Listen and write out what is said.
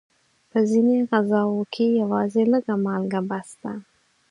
په ځینو غذاوو کې یوازې لږه مالګه بس ده.